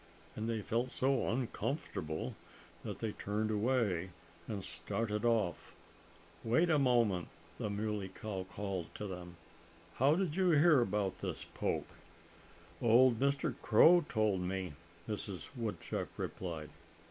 And they felt so uncomfortable that they turned away and started off. "Wait a moment!" the Muley Cow called to them. "How did you hear about this poke?" "Old Mr. Crow told me," Mrs. Woodchuck replied.